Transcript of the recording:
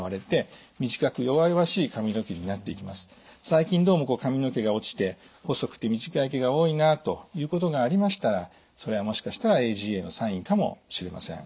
最近どうも髪の毛が落ちて細くて短い毛が多いなということがありましたらそれはもしかしたらＡＧＡのサインかもしれません。